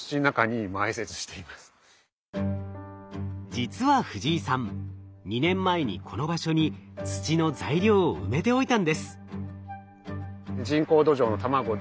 実は藤井さん２年前にこの場所に土の材料を埋めておいたんです。